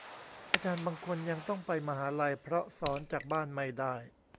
อาจารย์บางคนยังต้องไปมหาลัย เพราะสอนจากบ้านไม่ได้